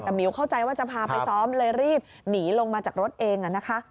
แต่หมิวเข้าใจว่าจะพาไปซ้อมเลยรีบหนีลงมาจากรถเองนะคะ